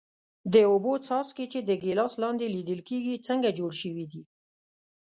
د اوبو څاڅکي چې د ګیلاس لاندې لیدل کیږي څنګه جوړ شوي دي؟